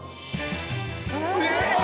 えっ⁉